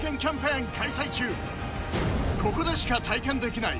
ここでしか体験できない